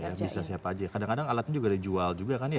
ya bisa siapa aja kadang kadang alatnya juga dijual juga kan ya